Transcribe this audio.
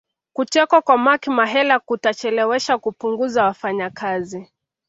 Kutekwa kwa Mark Mahela kutachelewesha kupunguza wafanyakazi